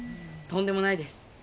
とんでもないです。